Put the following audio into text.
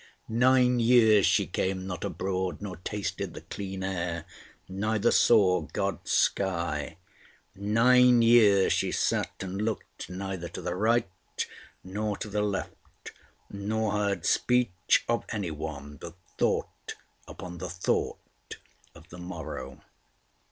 Nine years she came not abroad, nor tasted the clean air, neither saw God's sky. Nine years she sat and looked neither to the right nor to the left, nor heard speech of any one, but thought upon the thought of the morrow.